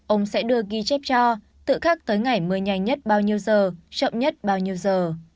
ông sẽ đưa ghi chép cho tự khắc tới ngày mưa nhanh nhất bao nhiêu giờ chậm nhất bao nhiêu giờ